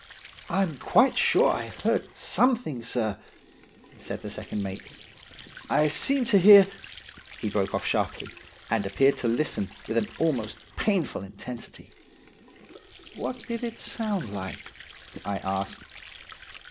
"'I'm quite sure I heard something, sir,' said the second mate. 'I seemed to hear —' He broke off sharply, and appeared to listen with an almost painful intensity. "'What did it sound like?' I asked.